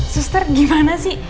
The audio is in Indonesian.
suster gimana sih